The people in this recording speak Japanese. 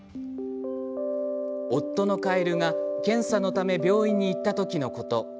夫のカエルが検査のため病院に行った時のこと。